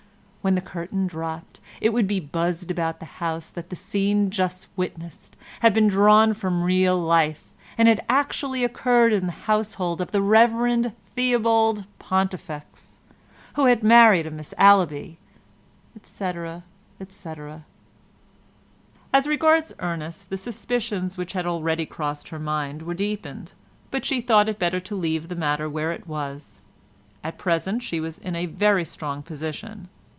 When the curtain dropped, it would be buzzed about the house that the scene just witnessed had been drawn from real life, and had actually occurred in the household of the Rev. Theobald Pontifex, who had married a Miss Allaby, etc., etc. As regards Ernest the suspicions which had already crossed her mind were deepened, but she thought it better to leave the matter where it was. At present she was in a very strong position.